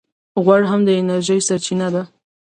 غوړ هم د انرژۍ سرچینه ده